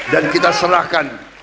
dan kita serahkan